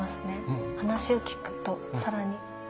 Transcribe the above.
話を聞くと更に。